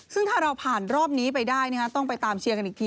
ซึ่งถ้าเราผ่านรอบนี้ไปได้ต้องไปตามเชียร์กันอีกที